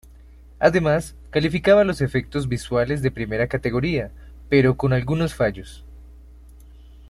Además, calificaba los efectos visuales de primera categoría, pero con algunos fallos.